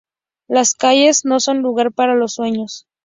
Las calles no son lugar para los sueños.